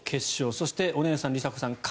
そしてお姉さん、梨紗子さん